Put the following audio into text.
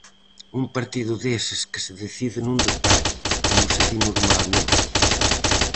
Un partido deses que se decide nun detalle, como se di normalmente.